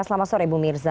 selamat sore bu mirza